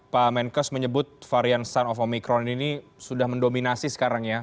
pak menkes menyebut varian sun of omikron ini sudah mendominasi sekarang ya